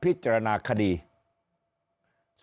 สารก็จะกำหนดวันเปิดการพิจารณาคดี